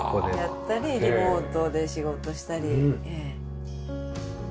やったりリモートで仕事したりええ。